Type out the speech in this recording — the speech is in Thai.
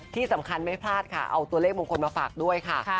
ที่สำคัญไม่พลาดค่ะเอาตัวเลขมงคลมาฝากด้วยค่ะ